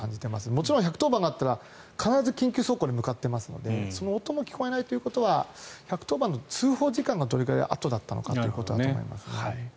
もちろん１１０番通報があったら必ず緊急走行で向かってますのでその音も聞こえないということは１１０番の通報時間がどれくらいあとだったのかということだと思います。